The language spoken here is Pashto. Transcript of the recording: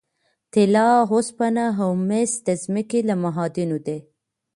طلا، اوسپنه او مس د ځمکې له معادنو دي.